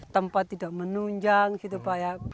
tempat tidak menunjang gitu pak ya